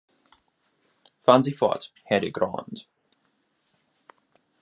Fahren Sie fort, Herr de Grandes.